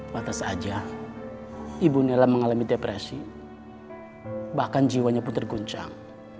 batas saja ibu nella mengalami depresi bahkan jiwanya pun terguncang